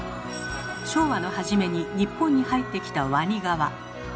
昭和の初めに日本に入ってきたワニ革。